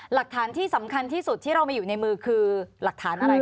หลักฐานที่สำคัญที่สุดที่เรามีอยู่ในมือคือหลักฐานอะไร